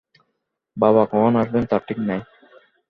বাবা কখন আসবেন তার ঠিক নেই।